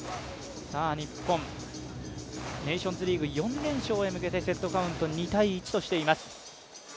日本、ネーションズリーグ４連勝へ向けてセットカウント２−１としています。